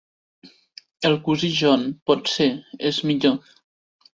El cosí John, potser, és millor.